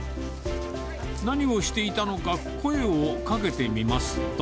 何をしていたか、声をかけてみますと。